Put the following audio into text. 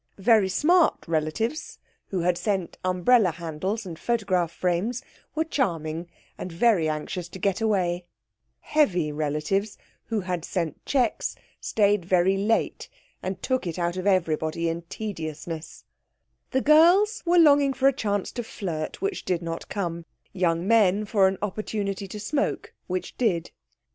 Very smart relatives, who had sent umbrella handles and photograph frames, were charming, and very anxious to get away; heavy relatives, who had sent cheques, stayed very late, and took it out of everybody in tediousness; the girls were longing for a chance to flirt, which did not come; young men for an opportunity to smoke, which did.